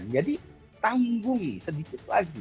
jadi tangguh sedikit lagi